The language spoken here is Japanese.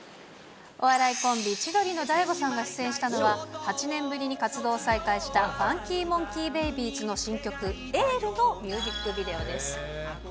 お笑いコンビ、千鳥の大悟さんが出演したのは、８年ぶりに活動を再開したＦＵＮＫＹＭＯＮＫＥＹＢΛＢＹ’Ｓの新曲、エールのミュージックビデオです。